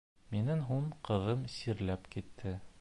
Минән һуң ҡыҙым сирләп китте.